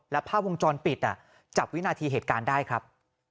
แล้วภาพวงจรปิดจับวินาทีเหตุการณ์ได้ครับ